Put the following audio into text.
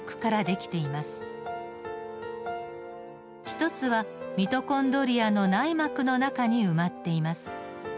一つはミトコンドリアの内膜の中に埋まっています。